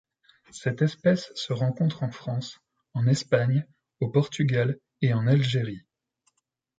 Cette espèce se rencontre en France, en Espagne, au Portugal et en Algérie.